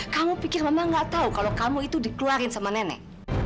kamu pikir mama gak tahu kalau kamu itu dikeluarin sama nenek